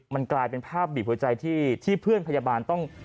มันกลายเป็นภาพบีบหัวใจที่เพื่อนพยาบาลต้อง